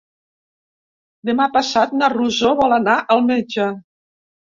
Demà passat na Rosó vol anar al metge.